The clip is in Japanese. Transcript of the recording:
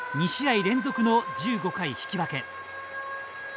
２試合連続の１５回引き分け。